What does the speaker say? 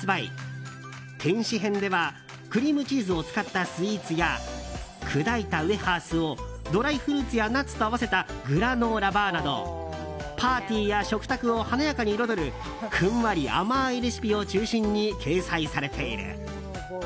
「天使編」ではクリームチーズを使ったスイーツや砕いたウエハースをドライフルーツやナッツと合わせたグラノーラバーなどパーティーや食卓を華やかに彩るふんわり甘いレシピを中心に掲載されている。